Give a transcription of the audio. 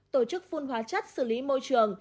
tổ chức phun hóa chất xử lý môi trường